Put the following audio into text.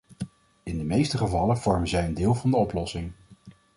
In de meeste gevallen vormen zij een deel van de oplossing.